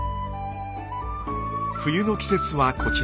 冬の季節はこちら。